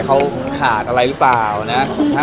เขาขาดอะไรรึเปล่า